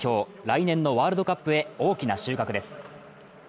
来年のワールドカップへ大きな収穫です。